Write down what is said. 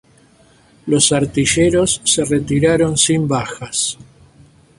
Los artilleros se retiraron sin bajas.